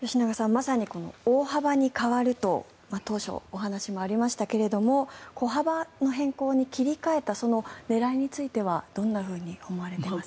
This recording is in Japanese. まさにこの大幅に変わると当初、お話もありましたが小幅の変更に切り替えたその狙いについてはどんなふうに思われていますか。